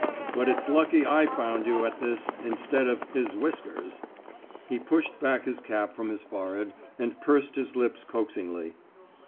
But it's lucky I found you at this, instead of * his whiskers'." He pushed back his cap from his fore head, and pursed his lips coaxingly.